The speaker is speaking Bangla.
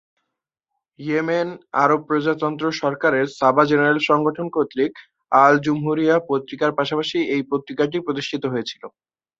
ইয়েমেন আরব প্রজাতন্ত্র সরকারের 'সাবা জেনারেল সংগঠন' কর্তৃক "আল-জুমহুরিয়াহ" পত্রিকার পাশাপাশি এই পত্রিকাটি প্রতিষ্ঠিত হয়েছিল।